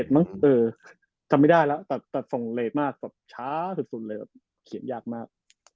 ๑๗มั้งทำไม่ได้แล้วแต่ส่งเล็กมากช้าสุดเลยเขียนยากมาก